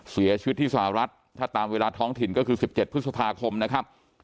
เสียชีวิตที่สหรัฐถ้าตามเวลาท้องถิ่นก็คือ๑๗พฤษภาคมนะครับ